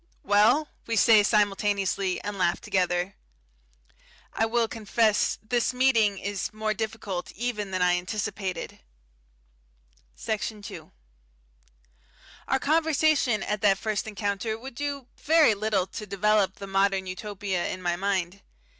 "Well?" we say, simultaneously, and laugh together. I will confess this meeting is more difficult even than I anticipated. Section 2 Our conversation at that first encounter would do very little to develop the Modern Utopia in my mind.